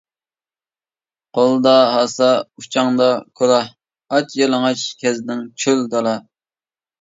قولدا ھاسا، ئۇچاڭدا كۇلاھ، ئاچ-يالىڭاچ كەزدىڭ چۆل دالا.